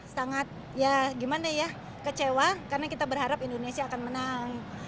sangat kecewa karena kita berharap indonesia akan menang